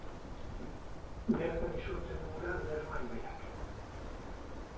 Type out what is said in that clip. Bertan isurtzen du ura Lerma ibaiak.